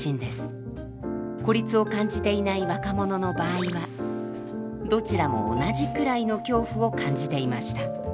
孤立を感じていない若者の場合はどちらも同じくらいの恐怖を感じていました。